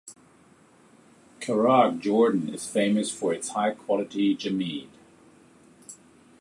Karak, Jordan is famous for its high-quality jameed.